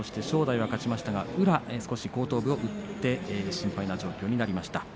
正代が勝ちましたが宇良、後頭部を打って心配な状況になりました。